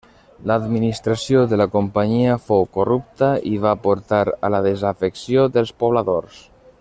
L'administració de la companyia fou corrupta i va portar a la desafecció dels pobladors.